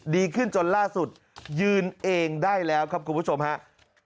ดีขึ้นจนล่าสุดยืนเองได้แล้วครับคุณผู้ชมครับ